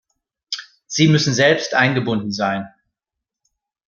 Sie müssen selbst eingebunden sein.